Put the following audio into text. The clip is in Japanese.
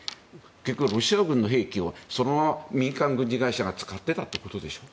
結局、ロシア軍の兵器をそのまま民間軍事会社が使っていたってことでしょ。